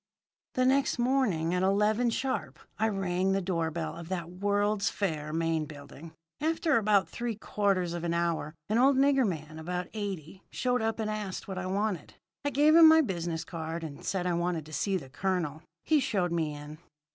"The next morning at eleven, sharp, I rang the door bell of that World's Fair main building. After about three quarters of an hour an old nigger man about eighty showed up and asked what I wanted. I gave him my business card, and said I wanted to see the colonel. He showed me in.